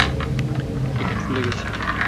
একটু ফুলে গেছে।